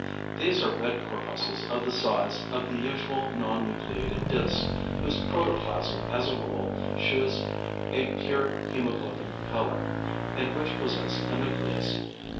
= These are red corpuscles of the size of the usual non nucleated disc, whose protoplasm as a rule shews a pure hæmoglobin colour, and which possess a nucleus.